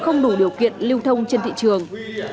không đủ điều kiện lưu thông trên thị trường